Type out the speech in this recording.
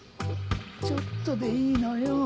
ちょっとでいいのよ。